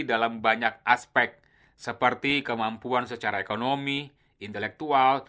dalam banyak aspek seperti kemampuan secara ekonomi intelektual